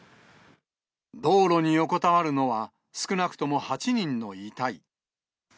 道路に横たわるのは、少なくとも８人の遺体。